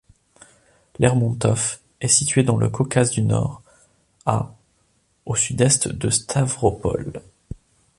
Lermontov est située dans le Caucase du Nord, à au sud-est de Stavropol.